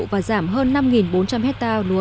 và giảm hơn năm bốn trăm linh hectare lúa